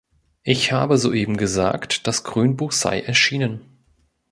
Ich habe soeben gesagt, das Grünbuch sei erschienen.